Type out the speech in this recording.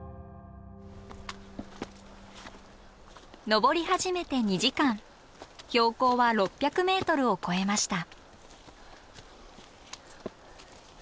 登り始めて２時間標高は６００ｍを超えました。